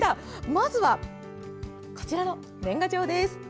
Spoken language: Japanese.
まずは、こちらの年賀状です。